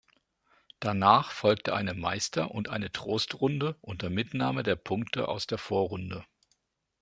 Danach folgte eine Meister- und eine Trostrunde unter Mitnahme der Punkte aus der Vorrunde.